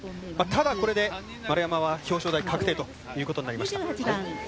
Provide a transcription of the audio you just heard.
ただ、これで丸山は表彰台確定ということになりました。